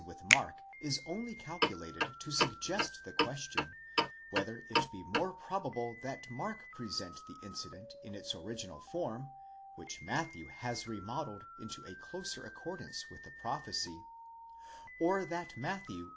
with Mark is only calculated to suggest the question, whether it be more probable that Mark presents the incident in its original form, which Matthew has remodelled into a closer accordance with the prophecy; or that Matthew.